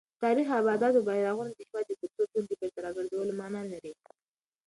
د تاریخي ابداتو بیارغونه د هېواد د کلتوري ژوند د بېرته راګرځولو مانا لري.